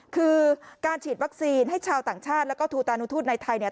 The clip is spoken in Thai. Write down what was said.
คือการฉีดวัคซีนให้ชาวต่างชาติแล้วก็ทูตานุทูตในไทยเนี่ย